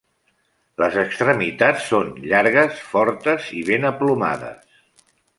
Les extremitats són llargues, fortes i ben aplomades.